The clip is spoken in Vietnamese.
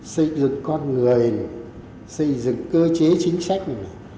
xây dựng con người xây dựng cơ chế chính sách này